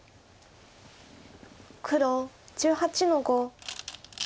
黒１８の五。